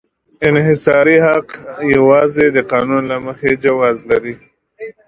انحصاري حق یوازې د قانون له مخې جواز لري.